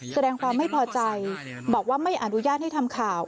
แสดงความไม่พอใจบอกว่าไม่อนุญาตให้ทำข่าว